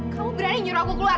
kamu berani nyuruh aku keluar